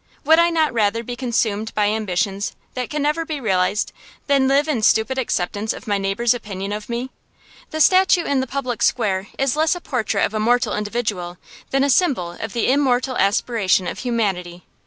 Would I not rather be consumed by ambitions that can never be realized than live in stupid acceptance of my neighbor's opinion of me? The statue in the public square is less a portrait of a mortal individual than a symbol of the immortal aspiration of humanity.